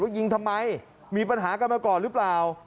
ว่ายิงทำไมมีปัญหากำลังก่อนหรือเปล่า